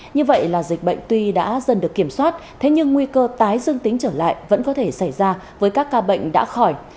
như vậy là dịch bệnh tuy đã dần được kiểm soát thế nhưng nguy cơ tái dương tính trở lại vẫn có thể xảy ra với các ca bệnh đã khỏi